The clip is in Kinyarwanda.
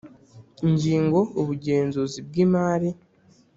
Ingingo Ubugenzuzi bw Imari